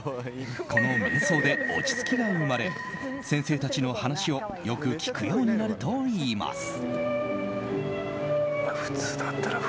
この瞑想で落ち着きが生まれ先生たちの話をよく聞くようになるといいます。